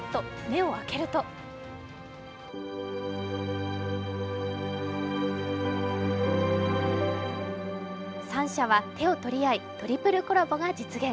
目を開けると３社は手を取り合い、トリプルコラボが実現。